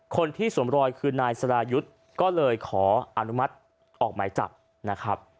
สวมรอยคือนายสรายุทธ์ก็เลยขออนุมัติออกหมายจับนะครับ